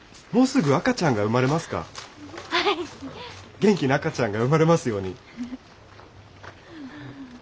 元気な赤ちゃんが生まれますように。